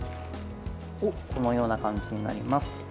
このような感じになります。